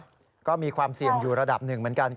ก็มีความเสี่ยงอยู่ระดับหนึ่งเหมือนกัน